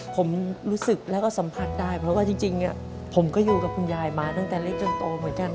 ผมรู้สึกแล้วก็สัมผัสได้เพราะว่าจริงผมก็อยู่กับคุณยายมาตั้งแต่เล็กจนโตเหมือนกัน